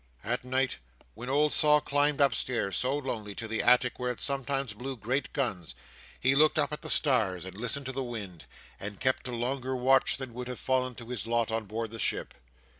At night, when old Sol climbed upstairs, so lonely, to the attic where it sometimes blew great guns, he looked up at the stars and listened to the wind, and kept a longer watch than would have fallen to his lot on board the ship.